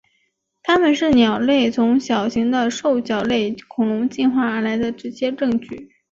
它们是鸟类从小型的兽脚类恐龙进化而来的直接证据。